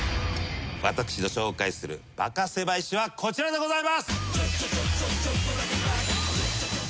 私の紹介するバカせまい史はこちらでございます。